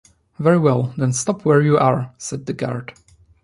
“Very well, then stop where you are,” said the guard.